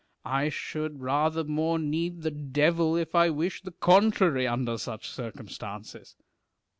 I should rather more need the devil, if I wished the contrary, under such circumstances.